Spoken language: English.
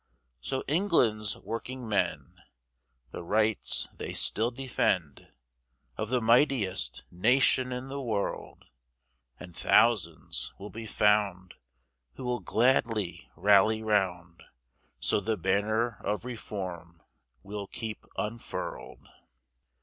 So England's working men, The Rights they still defend, Of the mightiest nation in the world; And thousands will be found, Who will gladly rally round, So the banner of Reform we'll keep unfurled.